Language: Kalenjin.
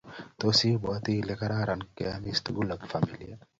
tos ibwoti ile kararan keomis tugul ak familia?